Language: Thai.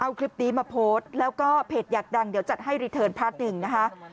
เอาคลิปนี้มาโพสต์แล้วก็เพจอยากดังเดี๋ยวจัดให้รีเทิร์นพาร์ทหนึ่งนะคะ